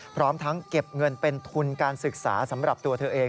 พร้อมทั้งเก็บเงินเป็นทุนการศึกษาสำหรับตัวเธอเอง